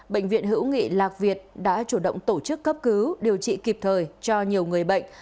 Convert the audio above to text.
bệnh viện hữu nghị lạc việt đã chủ động tổ chức cấp cứu điều trị kịp thời cho nhiều người bệnh